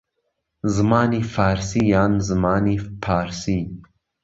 زمانی فارسی یان زمانی پارسی